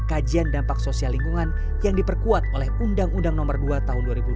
kajian dampak sosial lingkungan yang diperkuat oleh undang undang nomor dua tahun dua ribu dua puluh